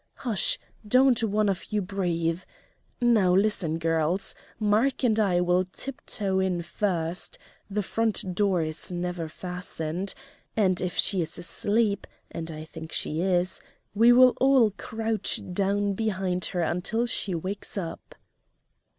Hush! don't one of you breathe. Now, listen, girls! Mark and I will tiptoe in first the front door is never fastened and if she is asleep and I think she is we will all crouch down behind her until she wakes up."